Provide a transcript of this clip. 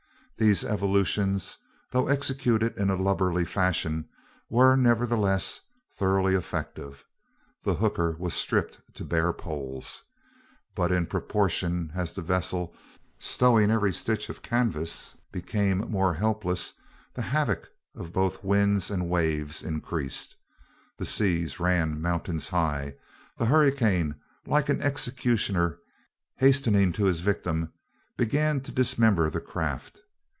These evolutions, though executed in a lubberly fashion, were, nevertheless, thoroughly effective. The hooker was stripped to bare poles. But in proportion as the vessel, stowing every stitch of canvas, became more helpless, the havoc of both winds and waves increased. The seas ran mountains high. The hurricane, like an executioner hastening to his victim, began to dismember the craft.